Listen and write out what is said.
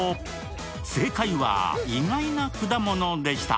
正解は意外な果物でした。